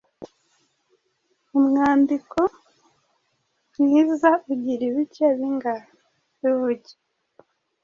Umwandiko mwiza ugira ibice bingahe? Bivuge?